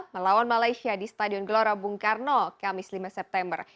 melawan malaysia di stadion gelora bung karno kamis lima september